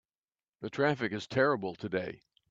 The traffic is terrible today.